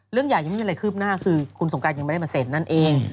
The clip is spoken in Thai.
เรื่องใหญ่ยังไม่มีอะไรคืบหน้าคือคุณสงการยังไม่ได้มาเซ็นนั่นเอง